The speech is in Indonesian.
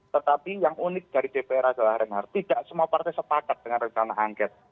tetapi yang unik dari dpr adalah reinhardt tidak semua partai sepakat dengan rencana angket